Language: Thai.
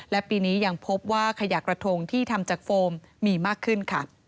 และปีนี้ยังพบว่าขยะกระทงที่ทำจากโฟมมีมากขึ้นค่ะ